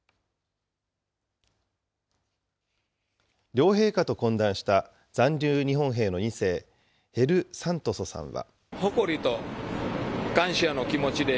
両陛下と懇談した残留日本兵の２世、ヘル・サントソさんは。